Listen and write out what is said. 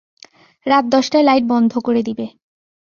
রাত দশটায় লাইট বন্ধ করে দিবে।